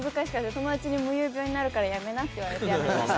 友達に夢遊病になるからやめなって言われてやめました。